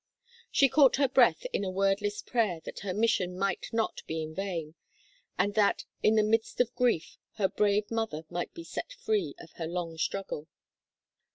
She caught her breath in a wordless prayer that her mission might not be vain, and that, in the midst of grief, her brave mother might be set free of her long struggle.